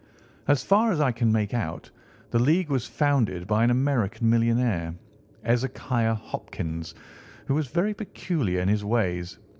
As far as I can make out, the League was founded by an American millionaire, Ezekiah Hopkins, who was very peculiar in his ways.